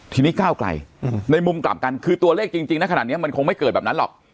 ทีนี้ก้าวไกลในมุมกลับกันคือตัวเลขจริงนะขนาดนี้มันคงไม่เกิดแบบนั้นหรอก